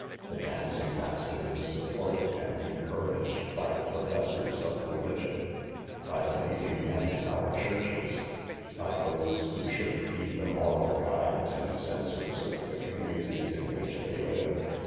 The dancing master is supported and encour aged by professors of religion, by the leading men in our churches, by those who should be the moral guides and censors of the communi ties in which they live.